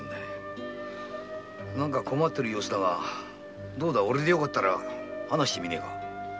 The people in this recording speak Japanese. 何か困ってるようだがどうだおれでよかったら話してみねぇか。